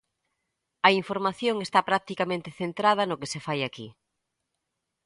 A información está practicamente centrada no que se fai aquí.